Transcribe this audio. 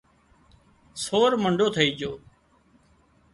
سور منڍو ٿئي جھو